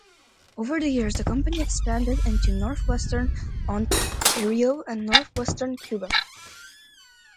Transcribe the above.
Over the years, the company expanded into Northwestern Ontario and Northwestern Quebec.